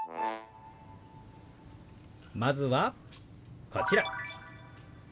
まずはこちら。